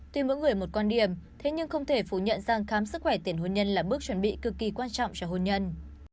tuy mỗi người một quan điểm thế nhưng không thể phủ nhận rằng khám sức khỏe tiền hôn nhân là bước chuẩn bị cực kỳ quan trọng cho hôn nhân